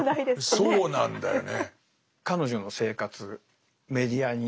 そうなんだよね。